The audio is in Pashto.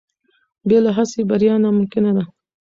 بې له هڅې بریا ناممکنه ده.